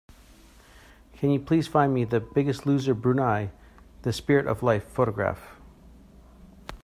Can you please find me The Biggest Loser Brunei: The Spirit of Life photograph?